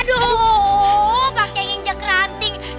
aduh pakai nginjek rata